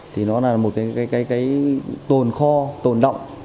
thì nó là một cái tồn kho tồn động